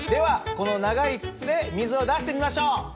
この長い筒で水を出してみましょう。